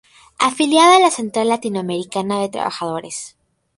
Afiliada a la Central Latinoamericana de Trabajadores.